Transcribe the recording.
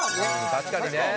確かにね。